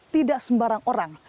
tidak sembarang orang